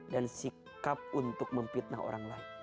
dan sikap untuk memfitnah orang lain